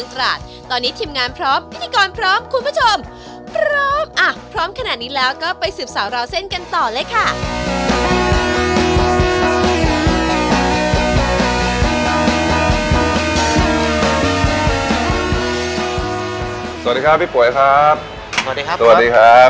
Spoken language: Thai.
สวัสดีครับพี่ป่วยครับสวัสดีครับสวัสดีครับพี่ป่วยนะ